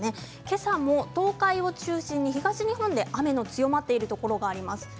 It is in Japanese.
今朝も東海を中心に東日本で雨の強まっているところがあります。